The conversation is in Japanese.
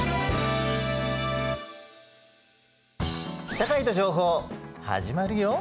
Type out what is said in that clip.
「社会と情報」始まるよ。